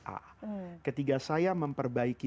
a ketika saya memperbaiki